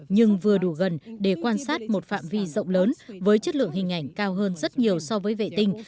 nhưng vừa đủ gần để quan sát một phạm vi rộng lớn với chất lượng hình ảnh cao hơn rất nhiều so với vệ tinh